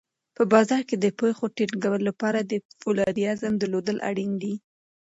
په بازار کې د پښو ټینګولو لپاره د فولادي عزم درلودل اړین دي.